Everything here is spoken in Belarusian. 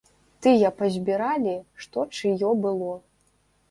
Тыя пазбіралі, што чыё было.